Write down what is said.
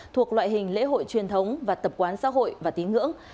thuộc loại hình lễ hội truyền thống và tập quán xã hội và tín ngưỡng